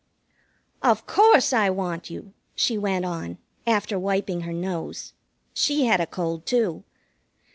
"Of course I want you," she went on, after wiping her nose. She had a cold, too.